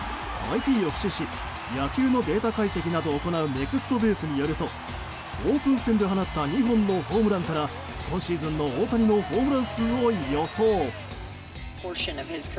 ＩＴを駆使し野球のデータ解析などを行うネクストベースによるとオープン戦で放った２本のホームランから今シーズンの大谷のホームラン数を予想。